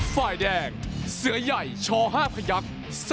ไฟล์แดงเสือใหญ่ช่อ๕พระยักษ์